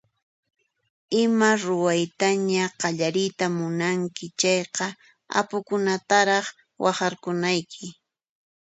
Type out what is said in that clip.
Ima ruwaytaña qallariyta munanki chayqa apukunataraq waqharkunayki.